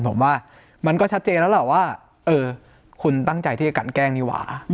ผมว่ามันก็ชัดเจนแล้วแหละว่าเออคุณตั้งใจที่จะกันแกล้งนี่หว่า